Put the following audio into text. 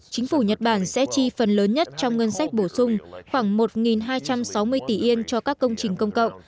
chính phủ nhật bản sẽ chi phần lớn nhất trong ngân sách bổ sung khoảng một hai trăm sáu mươi tỷ yên cho các công trình công cộng